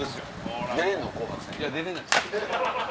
いや出れないです。